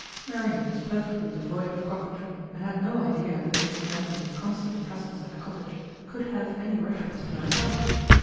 Marian was perfectly devoid of coquetry, and had no idea that this gentleman's constant presence at the cottage could have any reference to herself.